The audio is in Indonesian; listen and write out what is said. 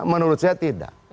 menurut saya tidak